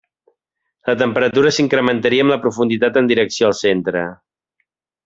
La temperatura s'incrementaria amb la profunditat en direcció al centre.